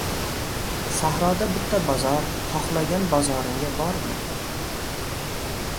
«Sahroda bitta bozor – xohlagan bozoringga bor»mi?